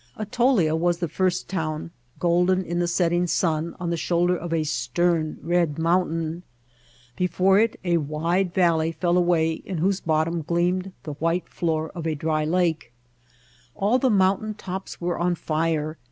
Atolia was the first town, golden in the setting fiun, on the shoulder of a stern, red mountain. Before it a wide valley fell away in whose bot tom gleamed the white floor of a dry lake. All the mountain tops were on fire.